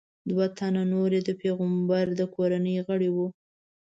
دوه تنه نور یې د پیغمبر د کورنۍ غړي وو.